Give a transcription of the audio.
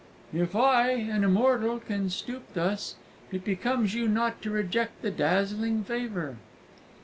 "If I an immortal can stoop thus, it becomes you not to reject the dazzling favour."